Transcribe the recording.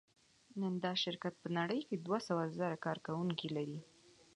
نن دا شرکت په نړۍ کې دوهسوهزره کارکوونکي لري.